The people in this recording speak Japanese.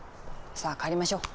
さあ帰りましょう。